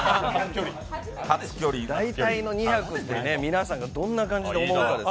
大体２００って皆さんがどんな感じで思うのか。